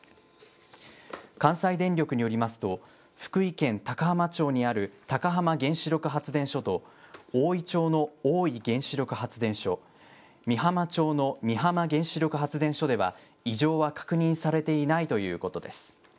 関西電力によりますと、福井県高浜町にある高浜原子力発電所とおおい町の大飯原子力発電所、美浜町の美浜原子力発電所では異常は確認されていないということです。